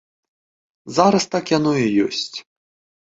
Зараз так яно і ёсць.